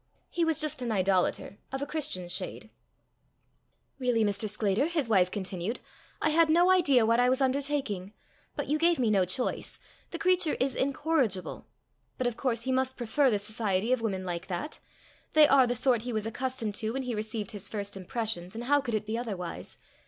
He was just an idolater of a Christian shade. "Really, Mr. Sclater," his wife continued, "I had no idea what I was undertaking. But you gave me no choice. The creature is incorrigible. But of course he must prefer the society of women like that. They are the sort he was accustomed to when he received his first impressions, and how could it be otherwise?